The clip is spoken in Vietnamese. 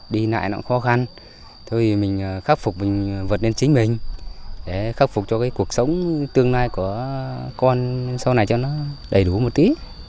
đi nại nó cũng khó khăn thôi mình khắc phục mình vượt lên chính mình để khắc phục cho cái cuộc sống tương lai của con sau này cho nó đầy đủ một tí